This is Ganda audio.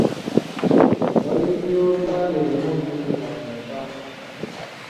Walifu y'oluganda erimu enukuta mmeka?